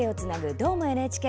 「どーも、ＮＨＫ」。